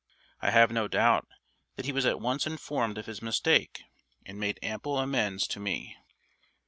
I have no doubt that he was at once informed of his mistake and made ample amends to me.